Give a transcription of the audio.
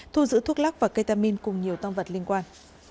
thu giữ thuốc lắc và ketamine cùng nhiều tông vật liên quan